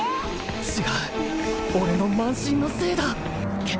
違う俺の慢心のせいだ